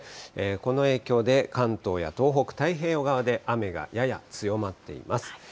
この影響で、関東や東北太平洋側で、雨がやや強まっています。